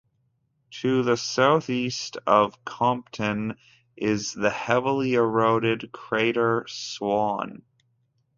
To the southeast of Compton is the heavily eroded crater Swann.